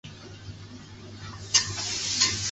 吕德尔斯费尔德是德国下萨克森州的一个市镇。